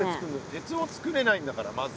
鉄をつくれないんだからまず。